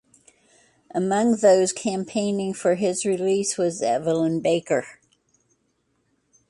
Among those campaigning for his release was Evelyn Baker.